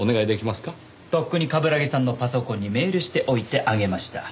とっくに冠城さんのパソコンにメールしておいてあげました。